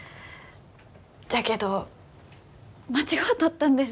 じゃけど間違うとったんです。